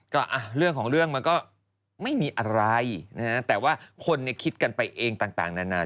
ก็เรื่องของเรื่องมันก็ไม่มีอะไรนะฮะแต่ว่าคนคิดกันไปเองต่างนานา